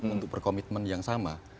untuk berkomitmen yang sama